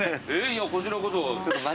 いやこちらこそ。